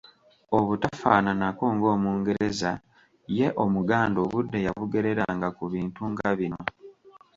Obutafaananako ng’Omungereza ye Omuganda obudde yabugereranga ku bintu nga bino